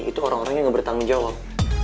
itu orang orang yang gak bertanggung jawab